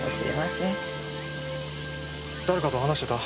誰かと話してた？